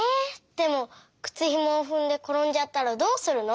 でもくつひもをふんでころんじゃったらどうするの？